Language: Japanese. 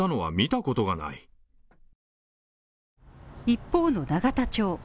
一方の永田町。